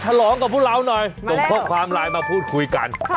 ฉลองกับพวกเราหน่อยส่งข้อความไลน์มาพูดคุยกัน